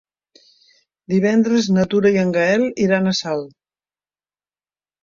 Divendres na Tura i en Gaël iran a Salt.